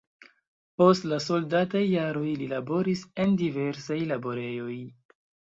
Post la soldataj jaroj li laboris en diversaj laborejoj.